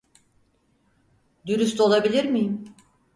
Dürüst olabilir miyim?